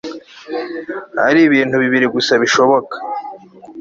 hari ibintu bibiri gusa bishoboka